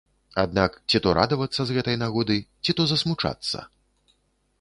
Аднак ці то радавацца з гэтай нагоды, ці то засмучацца?